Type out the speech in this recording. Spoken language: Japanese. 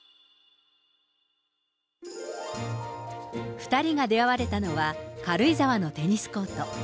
２人が出会われたのは、軽井沢のテニスコート。